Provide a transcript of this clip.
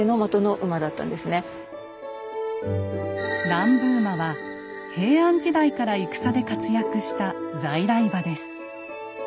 南部馬は平安時代から戦で活躍した在来馬です。